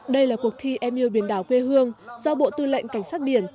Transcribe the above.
đây là cuộc thi em yêu biển đảo quê hương do bộ tư lệnh cảnh sát biển